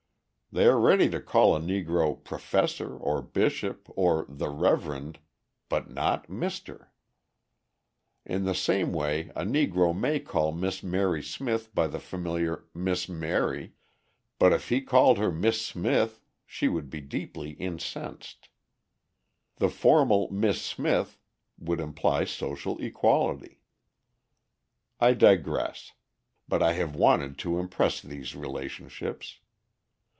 They are ready to call a Negro "Professor" or "Bishop" or "The Reverend" but not "Mr." In the same way a Negro may call Miss Mary Smith by the familiar "Miss Mary," but if he called her Miss Smith she would be deeply incensed. The formal "Miss Smith" would imply social equality. I digress: but I have wanted to impress these relationships.